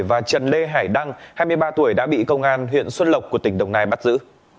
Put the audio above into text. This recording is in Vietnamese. và trần lê hải đăng hai mươi ba tuổi đã bị công an huyện xuân lộc của tỉnh đồng nai bắt giữ